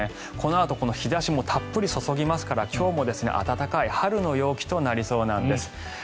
このあとこの日差しもたっぷり注ぎますから今日も暖かい春の陽気となりそうなんです。